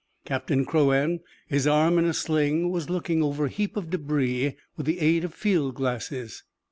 Captain Crouan, his arm in a sling, was looking over a heap of débris with the aid of field glasses.